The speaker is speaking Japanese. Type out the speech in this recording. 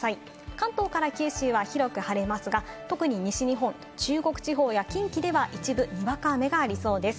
関東から九州は広く晴れますが、特に西日本、中国地方や近畿では一部、にわか雨がありそうです。